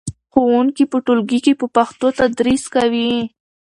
ښوونکي په ټولګي کې په پښتو تدریس کوي.